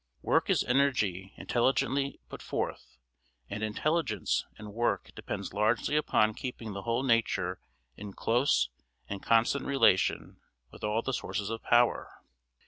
Work is energy intelligently put forth; and intelligence in work depends largely upon keeping the whole nature in close and constant relation with all the sources of power.